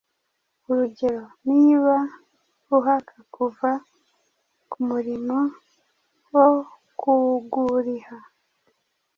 urugero, niba uhaka kuva kumurimo wo kuguriha